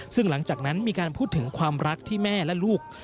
ซึ่งหลังจากนั้นมีการพูดถึงความรักที่แม่และลูก